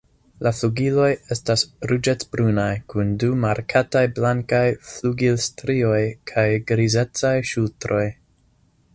La flugiloj estas ruĝecbrunaj kun du markataj blankaj flugilstrioj kaj grizecaj ŝultroj.